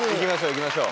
行きましょう。